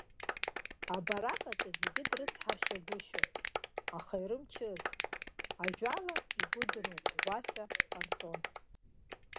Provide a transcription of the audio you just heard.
Абарак аҿы зегьы дрыцҳаршьагәышьон, аха ирымчыз, ажәала игәы дырӷәӷәашәа ааҟарҵон.